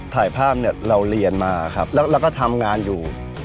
ถ่ายภาพเนี่ยเราเรียนมาครับแล้วก็ทำงานอยู่